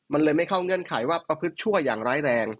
มันเลยไม่เข้าเงื่อนไขว่าประพฤติชั่วอย่างร้ายแรง